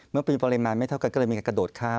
เมื่อมีปริมาณไม่เท่ากันก็เลยมีการกระโดดข้าม